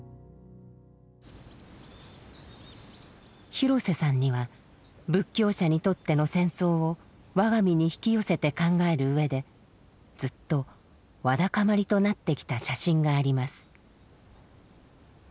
廣瀬さんには仏教者にとっての戦争を我が身に引き寄せて考えるうえでずっとわだかまりとなってきた写真があります。